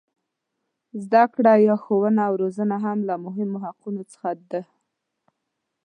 زده کړه یا ښوونه او روزنه هم له مهمو حقونو څخه ده.